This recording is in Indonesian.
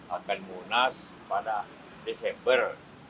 akan munas pada desember